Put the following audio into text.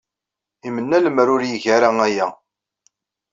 Imenna lemmer ur igi ara aya.